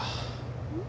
うん？